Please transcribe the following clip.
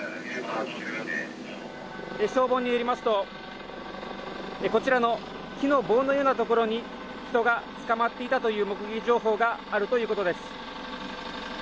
消防によりますとこちらの木の棒のような所に人がつかまっていたという目撃情報があるということです。